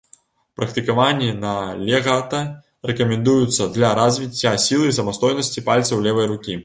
Практыкаванні на легата рэкамендуюцца для развіцця сілы і самастойнасці пальцаў левай рукі.